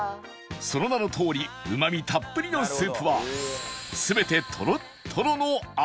その名のとおりうまみたっぷりのスープは全てとろっとろの餡